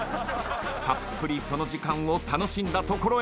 たっぷりその時間を楽しんだところへ。